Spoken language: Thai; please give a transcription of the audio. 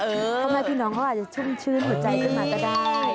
พ่อแม่พี่น้องเขาอาจจะชุ่มชื้นหัวใจขึ้นมาก็ได้